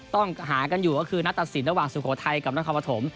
ต้องหากันอยู่ก็คือนัดตัดสินระหว่างสุโขทัยกับนครปฐม